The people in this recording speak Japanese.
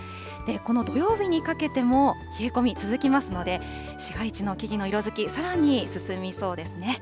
この土曜日にかけても冷え込み続きますので、市街地の木々の色づき、さらに進みそうですね。